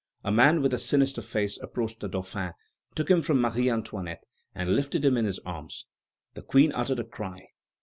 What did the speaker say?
A man with a sinister face approached the Dauphin, took him from Marie Antoinette, and lifted him in his arms. The Queen uttered a cry.